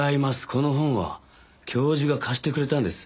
この本は教授が貸してくれたんです。